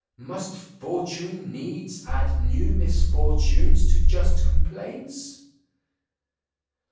Must fortune needs add new misfortunes to just complaints?"